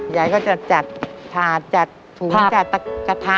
ยายก็จะจัดถาดจัดถุงจัดกระทะ